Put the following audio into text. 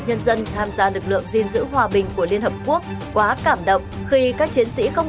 nhân dân tham gia lực lượng gìn giữ hòa bình của liên hợp quốc quá cảm động khi các chiến sĩ không